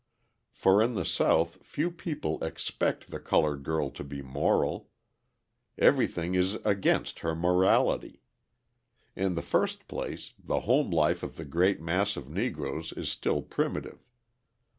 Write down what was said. For in the South few people expect the coloured girl to be moral: everything is against her morality. In the first place, the home life of the great mass of Negroes is still primitive.